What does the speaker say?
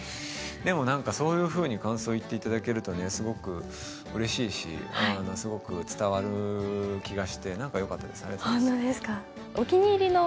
でも、そういうふうに感想を言っていただけるとうれしいしすごく伝わる気がして何かよかったですね。